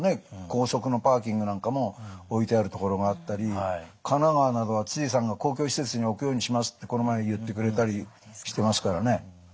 高速のパーキングなんかも置いてある所があったり神奈川などは知事さんが公共施設に置くようにしますってこの前言ってくれたりしてますからね。